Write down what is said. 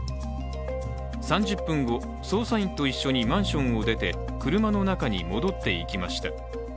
３０分後、捜査員と一緒にマンションを出て車の中に戻っていきました。